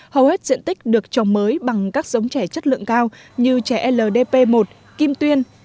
hầu hết diện tích được trồng mới bằng các giống chè chất lượng cao như chè ldp một kim tuyên